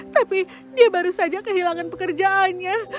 tapi dia baru saja kehilangan pekerjaannya